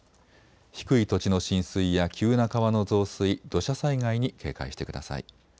低い土地の浸水や急な川の増水、土砂災害に警戒してください。